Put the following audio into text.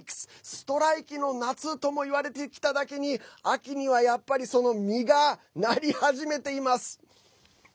ストライキの夏ともいわれてきただけに秋には、やっぱりその実がなり始めています。